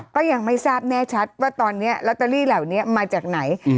ก็ยังไม่ทราบแน่ชัดว่าตอนนี้ลอตเตอรี่เหล่านี้มาจากไหน